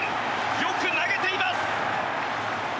よく投げています！